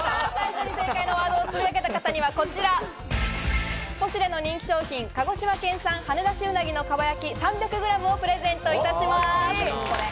最初に正解のワードをつぶやけた方にはこちら、ポシュレの人気商品「鹿児島県産はねだし鰻の蒲焼３００ｇ」をプレゼントいたします。